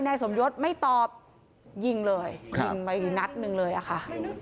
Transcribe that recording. นายสมยศไม่ตอบยิงเลยยิงไปอีกนัดหนึ่งเลยอะค่ะ